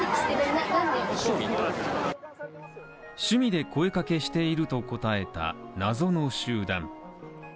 趣味で声かけしていると答えた謎の集団。